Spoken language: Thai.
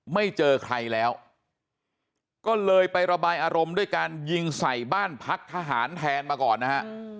ไม่เจอใครแล้วก็เลยไประบายอารมณ์ด้วยการยิงใส่บ้านพักทหารแทนมาก่อนนะฮะ